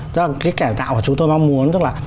cái cải tạo mà chúng tôi mong muốn là